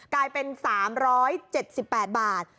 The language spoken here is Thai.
กลายเป็น๓๗๘บาท